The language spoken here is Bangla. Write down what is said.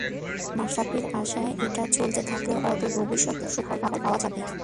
মাশরাফির আশা, এটা চলতে থাকলে অদূর ভবিষ্যতে তার সুফল পাওয়া যাবে।